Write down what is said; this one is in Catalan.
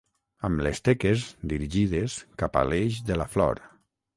Amb les teques dirigides cap a l'eix de la flor.